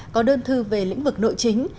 có đơn thư về lĩnh vực nội chính